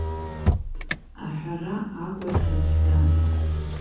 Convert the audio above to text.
Аҳәара агәаӷьра цәгьан.